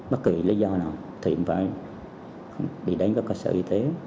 bất kỳ lý do nào thì phải đi đến cơ sở y tế